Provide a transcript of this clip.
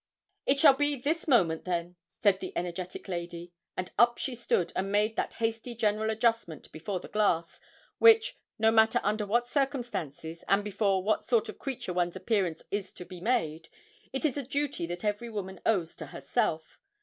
'It shall be this moment, then,' said the energetic lady, and up she stood, and made that hasty general adjustment before the glass, which, no matter under what circumstances, and before what sort of creature one's appearance is to be made, is a duty that every woman owes to herself.